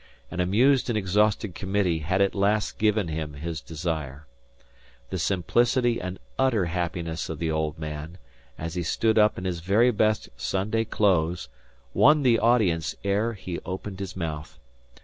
An amused and exhausted committee had at last given him his desire. The simplicity and utter happiness of the old man, as he stood up in his very best Sunday clothes, won the audience ere he opened his mouth.